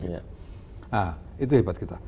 nah itu hebat kita